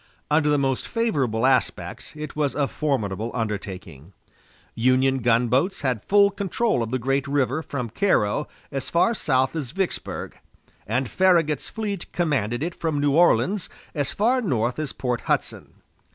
Under the most favorable aspects, it was a formidable undertaking. Union gunboats had full control of the great river from Cairo as far south as Vicksburg; and Farragut's fleet commanded it from New Orleans as far north as Port Hudson.